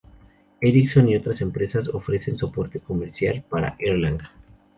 Ericsson y otras empresas ofrecen soporte comercial para Erlang.